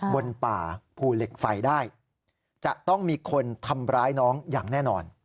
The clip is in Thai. บนป่าภูเหล็กไฟได้จะต้องมีคนทำร้ายน้องอย่างแน่นอน